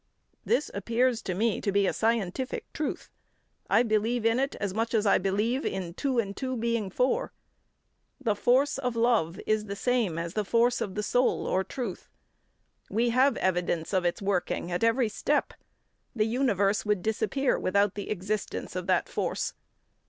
This appears to me to be a scientific truth. I believe in it as much as I believe in two and two being four. The force of love is the same as the force of the soul or truth. We have evidence of its working at every step. The universe would disappear without the existence of that force.